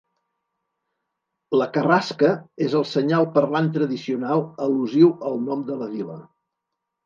La carrasca és el senyal parlant tradicional, al·lusiu al nom de la vila.